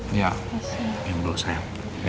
terima kasih pak